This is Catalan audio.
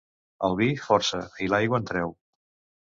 El vi força i l'aigua en treu.